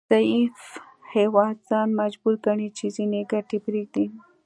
ضعیف هیواد ځان مجبور ګڼي چې ځینې ګټې پریږدي